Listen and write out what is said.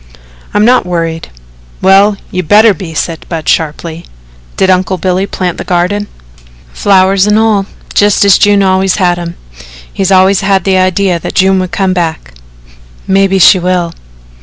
"I'm not worried." "Well, you better be," said Budd sharply. "Did Uncle Billy plant the garden?" "Flowers and all, just as June always had 'em. He's always had the idea that June would come back." "Maybe she will."